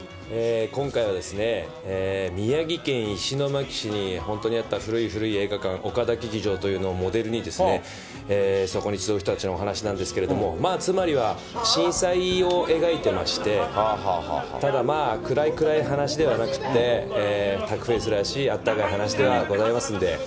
今回は宮城県石巻市に本当にあった古い古い映画館、おかだ劇場というのをモデルに、そこに集う人たちのお話なんですけど、つまりは震災を描いてまして、ただまあ、暗い暗い話ではなくて、タクフェスらしいあったかい話ではございますんで。